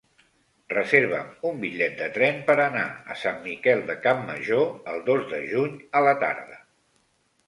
Reserva'm un bitllet de tren per anar a Sant Miquel de Campmajor el dos de juny a la tarda.